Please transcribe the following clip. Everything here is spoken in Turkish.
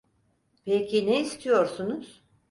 Peki ne istiyorsunuz?